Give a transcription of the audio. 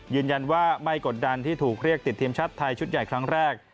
ยืนยันว่าไม่กดดันที่ถูกเรียกติดทีมชาติไทยชุดใหญ่ครั้งแรก